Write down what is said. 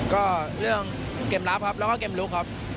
ก็เรื่องเกมรับครับแล้วก็เกมลุกครับ